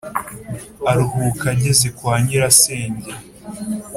aruhuka ageze kwa nyirasenge,